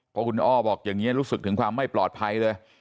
เพราะคุณอ้อบอกอย่างนี้รู้สึกถึงความไม่ปลอดภัยเลย